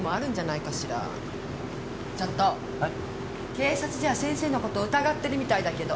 警察じゃ先生の事疑ってるみたいだけど。